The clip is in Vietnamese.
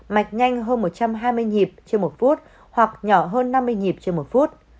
mạch nhanh hơn một trăm hai mươi nhịp trên một phút hoặc nhỏ hơn năm mươi nhịp trên một phút